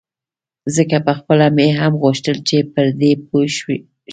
ځکه پخپله مې هم غوښتل چې پر دې پوی شم.